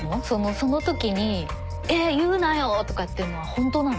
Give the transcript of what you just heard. そのときにえっ言うなよ！とかっていうのはほんとなの？